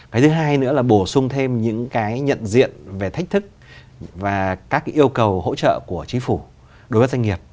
cái thứ hai nữa là bổ sung thêm những cái nhận diện về thách thức và các yêu cầu hỗ trợ của chính phủ đối với doanh nghiệp